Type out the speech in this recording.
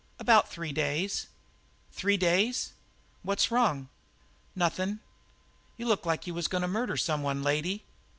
"About three days." "Three days?" "What's wrong?" "Nothin'." "You look like you was goin' to murder some one, lady."